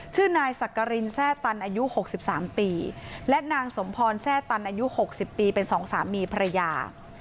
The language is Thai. ชื่อนายสักกรินแทร่ตันอายุ๖๓ปีและนางสมพรแซ่ตันอายุ๖๐ปีเป็นสองสามีภรรยา